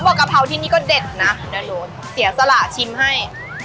บอกกระเพราะที่นี่ก็เด็ดน่ะเสียสละชิมให้